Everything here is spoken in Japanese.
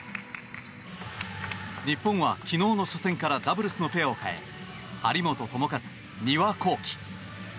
日本は昨日の初戦からダブルスのペアを変え張本智和、丹羽孝希。